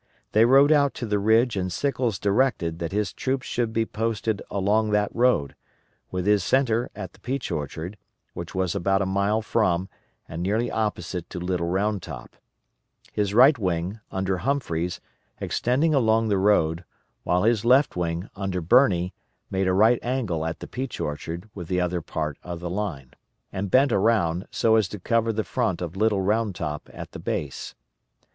They rode out to the ridge and Sickles directed that his troops should be posted along that road, with his centre at the Peach Orchard, which was about a mile from and nearly opposite to Little Round Top; his right wing, under Humphreys, extending along the road, while his left wing, under Birney, made a right angle at the Peach Orchard with the other part of the line, and bent around, so as to cover the front of Little Round Top at the base.